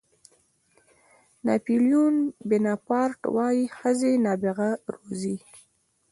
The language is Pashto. ناپلیون بناپارټ وایي ښځې نابغه روزي.